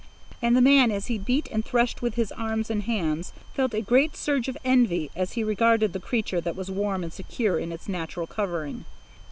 And the man as he beat and threshed with his arms and hands, felt a great surge of envy as he regarded the creature that was warm and secure in its natural covering.